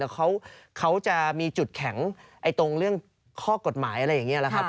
เขาจะมีจุดแข็งตรงเรื่องข้อกฎหมายอะไรอย่างนี้แหละครับ